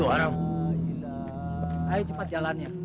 ayo cepat jalannya